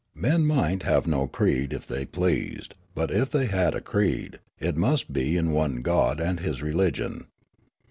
Men might have no creed if they pleased ; but if they had a creed, it must be in one god and his religion.